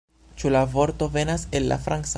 Ĉu la vorto venas el la franca?